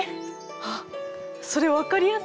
あっそれ分かりやすいかも。